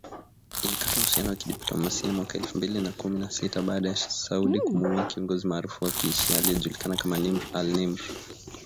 ilikata uhusiano wa kidiplomasia mwaka elfu mbili na kumi na sita. Baada ya Saudi kumuua kiongozi maarufu wa kishia, aliyejulikana kama Nimr al-Nimr.